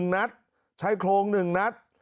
๑นัดชายโครง๑นัด